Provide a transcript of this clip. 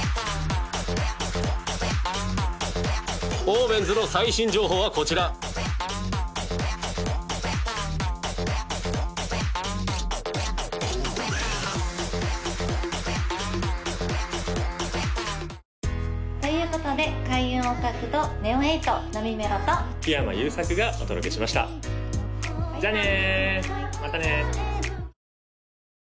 Ｏ−ＭＥＮＺの最新情報はこちらということで開運音楽堂ＮＥＯ８なみめろと木山裕策がお届けしましたじゃあね